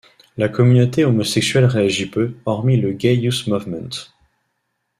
La communauté homosexuelle réagit peu, hormis le Gay Youth Movement.